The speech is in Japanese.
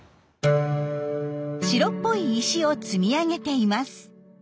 白っぽい石を積み上げています。